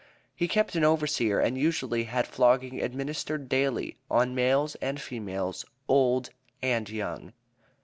He kept an overseer, and usually had flogging administered daily, on males and females, old and young.